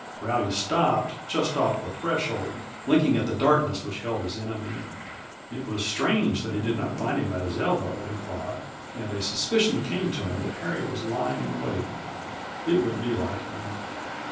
Rowdy stopped, just off the threshold, blinking at the darkness which held his enemy. It was strange that he did not find him at his elbow, he thought and a suspicion came to him that Harry was lying in wait; it would be like him.